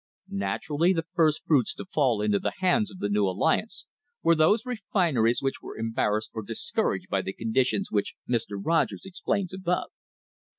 Naturally the first fruits to fall into the hands of the new alliance were those refineries which were embarrassed or discouraged by the conditions which Mr. Rogers explains above.